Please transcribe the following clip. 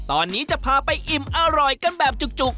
ตอนนี้จะพาไปอิ่มอร่อยกันแบบจุก